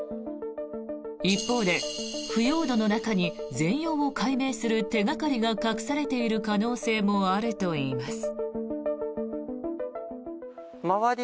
一方で腐葉土の中に全容を解明する手掛かりが隠されている可能性もあるといいます。